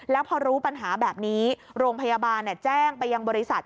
แล้วพอรู้ปัญหาแบบนี้โรงพยาบาลแจ้งไปยังบริษัท